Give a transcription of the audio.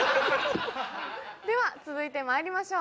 では続いてまいりましょう。